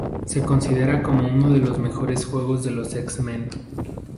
Se considera como uno de los mejores juegos de los X-men.